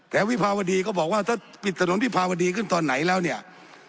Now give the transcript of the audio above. แต่วิภาวดีก็บอกว่าถ้าปิดถนนวิภาวดีขึ้นตอนไหนแล้วเนี่ย